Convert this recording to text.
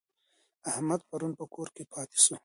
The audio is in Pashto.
احمد پرون په کور کي پاته سو.